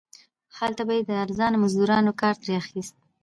هلته به یې د ارزانه مزدورانو کار ترې اخیست.